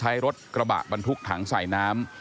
ใช้รถกระบะบรรทุกถังใส่น้ำ